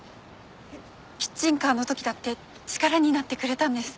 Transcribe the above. キッチンカーの時だって力になってくれたんです。